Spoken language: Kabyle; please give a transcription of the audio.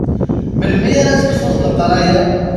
Melmi ara tekfuḍ leqraya?